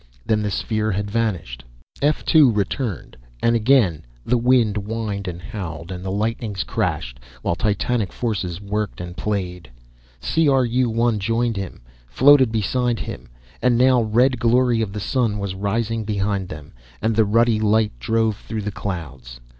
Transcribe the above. Then the sphere had vanished. F 2 returned, and again, the wind whined and howled, and the lightnings crashed, while titanic forces worked and played. C R U 1 joined him, floated beside him, and now red glory of the sun was rising behind them, and the ruddy light drove through the clouds.